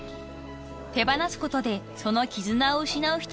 ［手放すことでその絆を失う人を減らしたい］